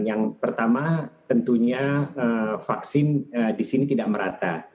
yang pertama tentunya vaksin di sini tidak merata